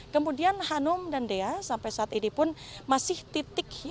kemudian hanum dan dea sampai saat ini pun masih titik